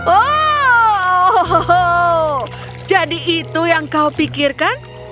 oh jadi itu yang kau pikirkan